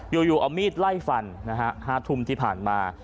อยู่เอามีดไล่ฟัน๕ทุ่มที่ผ่านมา